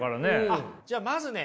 あっじゃあまずね